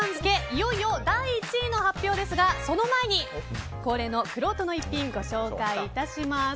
いよいよ第１位の発表ですがその前に恒例のくろうとの逸品ご紹介します。